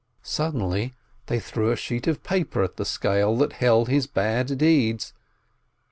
. Suddenly they threw a sheet of paper into the scale that held his bad deeds.